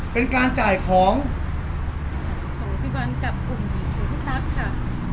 เป็นการจ่ายของสวัสดีคุณพี่วันกับกลุ่มสวัสดีพี่ลักษณ์ค่ะ